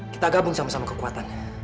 kita gabung sama sama kekuatannya